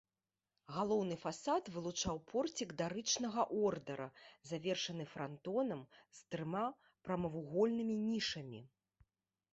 Галоўны фасад вылучаў порцік дарычнага ордара, завершаны франтонам, з трыма прамавугольнымі нішамі.